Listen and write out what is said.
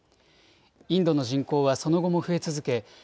インドの人口はその後も増え続け